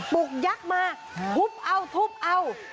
ปกยักษ์มาทุบเอาทุบเอา